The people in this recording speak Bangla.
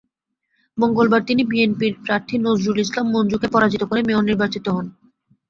মঙ্গলবার তিনি বিএনপির প্রার্থী নজরুল ইসলাম মঞ্জুকে পরাজিত করে মেয়র নির্বাচিত হন।